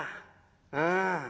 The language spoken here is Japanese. うん。